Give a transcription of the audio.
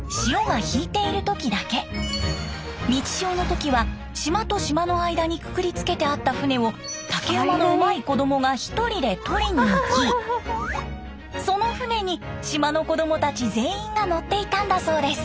満ち潮の時は島と島の間にくくりつけてあった船を竹馬のうまい子供が一人で取りに行きその船に島の子供たち全員が乗っていたんだそうです。